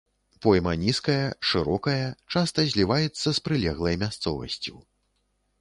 Пойма нізкая, шырокая, часта зліваецца з прылеглай мясцовасцю.